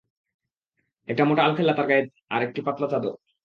একটা মোটা আলখেল্লা তার গায়ে আর একটা পাতলা চাদর।